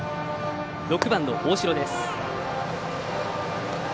６番の大城です。